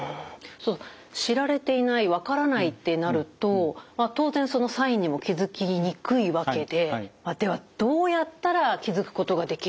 知られていない分からないってなると当然そのサインにも気付きにくいわけでではどうやったら気付くことができるかですね。